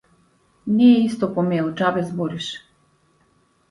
Не е исто по мејл, џабе збориш.